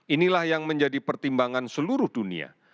inilah yang menjadi pertimbangan seluruh dunia